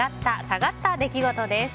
下がった出来事です。